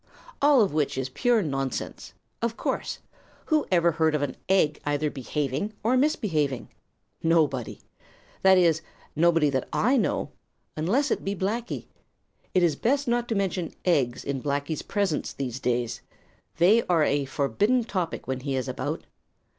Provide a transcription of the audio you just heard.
All of which is pure nonsense. Of course. Who ever heard of an egg either behaving or misbehaving? Nobody. That is, nobody that I know, unless it be Blacky. It is best not to mention eggs in Blacky's presence these days. They are a forbidden topic when he is about.